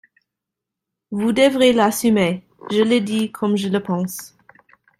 Vous devrez l’assumer ! Je le dis comme je le pense.